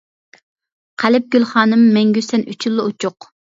قەلب گۈلخانىم مەڭگۈ سەن ئۈچۈنلا ئوچۇق.